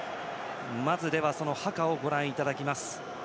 まず、ハカをご覧いただきます。